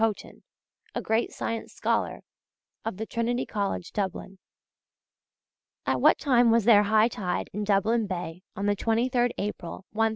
Haughton, a great science scholar, of Trinity College, Dublin: At what time was there high tide in Dublin Bay on the 23rd April, 1014?